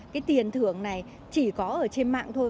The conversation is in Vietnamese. cái tiền thưởng này chỉ có ở trên mạng thôi